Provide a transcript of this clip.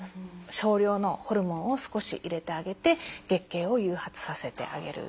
少量のホルモンを少し入れてあげて月経を誘発させてあげるということですね。